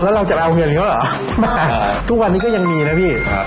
แล้วเราจะไปเอาเงินเขาเหรอมาทุกวันนี้ก็ยังมีนะพี่ครับ